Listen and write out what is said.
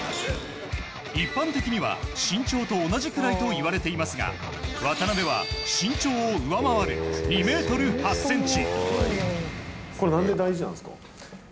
一般的には身長と同じくらいといわれていますが渡邊は身長を上回る２ｍ８ｃｍ。